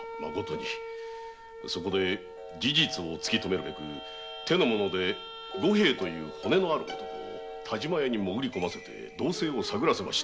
そこで事実を突き止めるため手の者で五平という者を但馬屋に潜りこませ動静を探らせました。